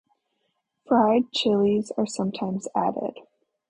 Fried chilies are sometimes added.